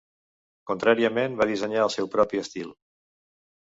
Contràriament, va dissenyar el seu propi estil.